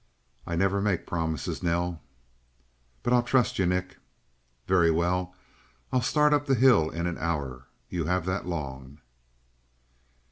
"I never make promises, Nell." "But I'll trust you, Nick." "Very well. I start up the hill in an hour. You have that long."